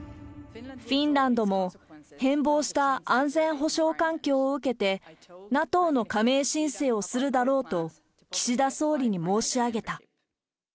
フィンランドも、変貌した安全保障環境を受けて、ＮＡＴＯの加盟申請をするだろうと岸田総理に申し上げた。